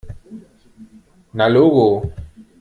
Na logo!